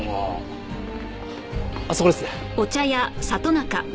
あそこですね。